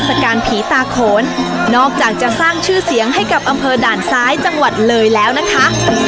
การผีตาโขนนอกจากจะสร้างชื่อเสียงให้กับอำเภอด่านซ้ายจังหวัดเลยแล้วนะคะ